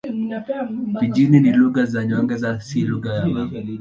Pijini ni lugha za nyongeza, si lugha mama.